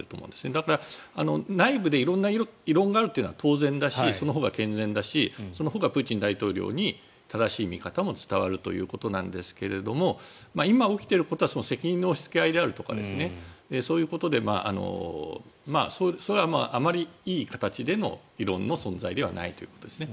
だから、内部で異論があるというのは当然だしそのほうが健全だしそのほうがプーチン大統領に正しい見方も伝わるということなんですが今、起きていることは責任の押し付け合いとかそういうことでそれはあまりいい形での異論の存在ではないということですね。